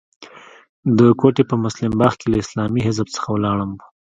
د کوټې په مسلم باغ کې له اسلامي حزب څخه ولاړم.